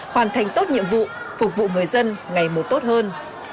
hoàn thành tốt nhiệm vụ phục vụ người dân ngày một tốt hơn